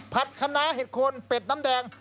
คณะเห็ดโคนเป็ดน้ำแดง